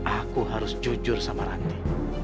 aku harus jujur sama ranti